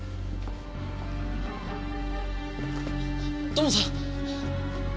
土門さん！